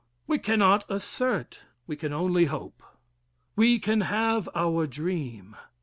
We cannot assert, we can only hope. We can have our dream.